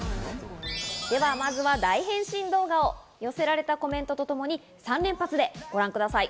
では、まずは大変身動画を寄せられたコメントとともに３連発でご覧ください。